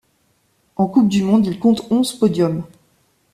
En coupe du monde, il compte onze podiums.